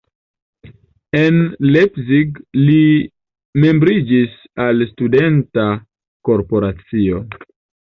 En Leipzig li membriĝis al studenta korporacio.